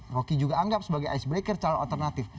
roky juga anggap sebagai icebreaker calon alternatif